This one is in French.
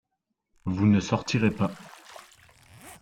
Vous ne sortirez pas !